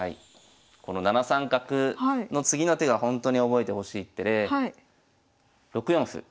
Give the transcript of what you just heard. この７三角の次の手がほんとに覚えてほしい一手で６四歩。